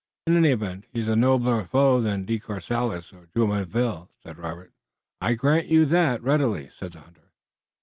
"In any event, he's a nobler foe than De Courcelles or Jumonville," said Robert. "I grant you that, readily," said the hunter.